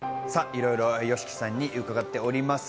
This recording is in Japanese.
いろいろとＹＯＳＨＩＫＩさんに伺っております。